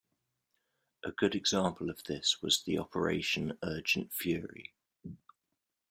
A good example of this was the Operation Urgent Fury.